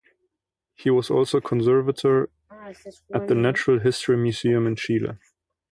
He was also conservator at the natural history museum in Chile.